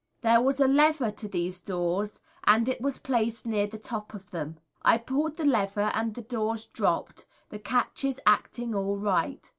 There was a lever to these doors, and it was placed near the top of them. I pulled the lever and the doors dropped, the catches acting all right.